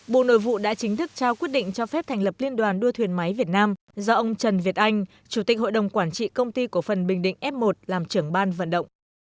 bộ nội vụ đã chính thức trao quyết định cho phép thành lập liên đoàn đua thuyền máy việt nam do ông trần việt anh chủ tịch hội đồng quản trị công ty cổ phần bình định f một làm trưởng ban vận động